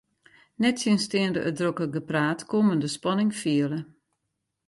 Nettsjinsteande it drokke gepraat koe men de spanning fiele.